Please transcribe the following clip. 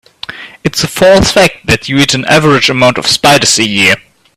It's a false fact that you eat an average amount of spiders a year.